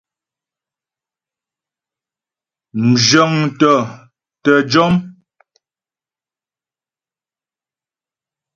Mzhə̌ŋtə tə jɔ́m.